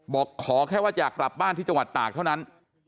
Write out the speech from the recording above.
บอกขอแค่ว่าอยากกลับบ้านที่จังหวัดตากเท่านั้น